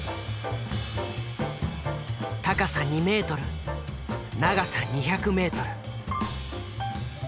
高さ２ｍ長さ２００ｍ。